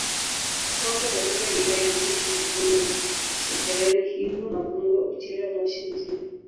Wapo katika wilaya ya Moshi sehemu za Chekereni Himo Mabungo Uchira Moshi mjini